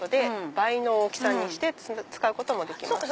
倍の大きさにして使うこともできますし。